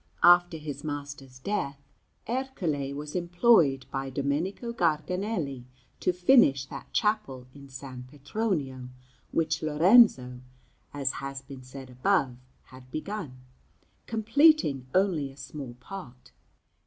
After his master's death, Ercole was employed by Domenico Garganelli to finish that chapel in S. Petronio which Lorenzo, as has been said above, had begun, completing only a small part.